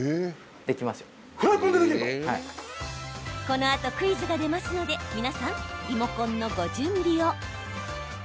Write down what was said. このあとクイズが出ますので皆さん、リモコンのご準備を。